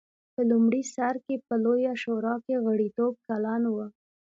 په لومړي سر کې په لویه شورا کې غړیتوب کلن و.